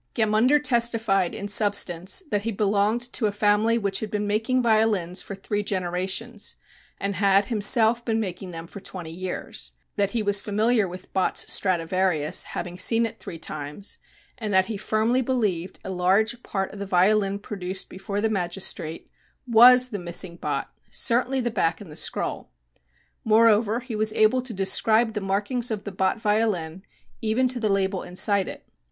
Gemunder testified, in substance, that he belonged to a family which had been making violins for three generations and had himself been making them for twenty years, that he was familiar with Bott's Stradivarius, having seen it three times, and that he firmly believed a large part of the violin produced before the magistrate was the missing Bott certainly the back and scroll. Moreover, he was able to describe the markings of the Bott violin even to the label inside it.